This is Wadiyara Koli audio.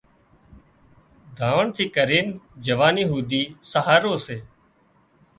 ڌاوڻ ٿِي ڪرينَ جوانِي هوڌي سهارو سي